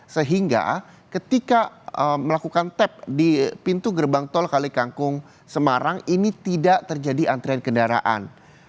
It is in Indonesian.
sehingga ketika melakukan tap di pintu gerbang tol kalikangkung semarang ini tidak terjadi antrian kendaraan